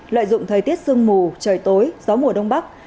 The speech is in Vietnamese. lợi dụng thời tiết sương mù trời tối gió mùa đông bắc